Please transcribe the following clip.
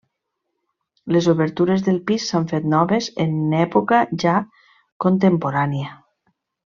Les obertures del pis s'han fet noves en època ja contemporània.